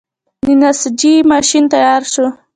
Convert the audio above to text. د نساجۍ ماشین تیار شو.